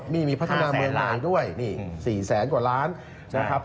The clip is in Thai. นี่มีพัฒนาเมืองใหม่ด้วยนี่๔แสนกว่าล้านนะครับ